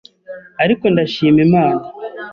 ariko ndashima Imana